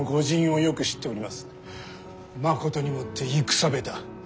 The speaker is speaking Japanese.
まことにもって戦下手。